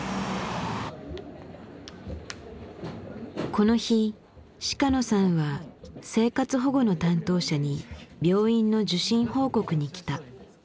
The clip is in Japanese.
この日鹿野さんは生活保護の担当者に病院の受診報告に来た。